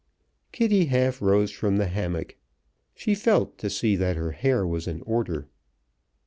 Kitty half rose from the hammock. She felt to see that her hair was in order.